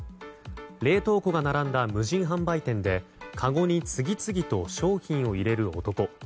冷凍庫が並んだ無人販売店でかごに次々と商品を入れる男。